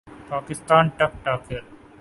Pakistani ٹک talker